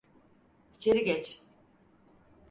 İçeri geç.